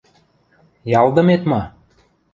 — Ялдымет ма?